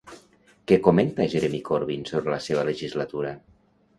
Què comenta Jeremy Corbyn sobre la seva legislatura?